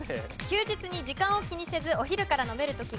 休日に時間を気にせずお昼から飲める時が最高！